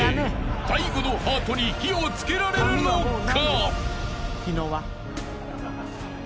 ［大悟のハートに火を付けられるのか？］